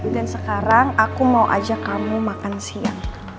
dan sekarang aku mau ajak kamu makan siang